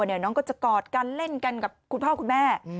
เดี๋ยวน้องก็จะกอดกันเล่นกันกับคุณพ่อคุณแม่